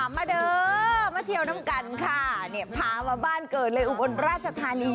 มาเด้อมาเที่ยวน้ำกันค่ะเนี่ยพามาบ้านเกิดเลยอุบลราชธานี